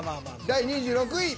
第２６位。